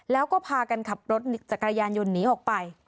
แล้วก็พากันขับรถจักรยานยนต์หนีออกไป